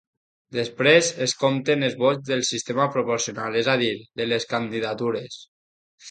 Després, es compten els vots del sistema proporcional, és a dir, de les candidatures.